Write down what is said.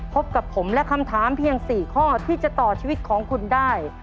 พบกับผมและคำถามเพียง๔ข้อที่จะต่อชีวิตของคุณได้